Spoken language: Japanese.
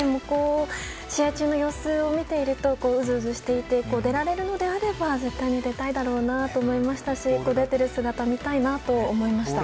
試合中の様子を見ているとうずうずしていて出られるのであれば絶対に出たいだろうと思いましたし出ている姿も見たいなと思いました。